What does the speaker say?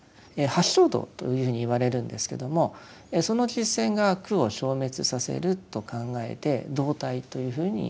八正道というふうにいわれるんですけどもその実践が苦を消滅させると考えて道諦というふうに呼ばれました。